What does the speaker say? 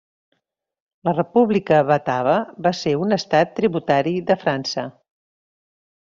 La República Batava va ser un estat tributari de França.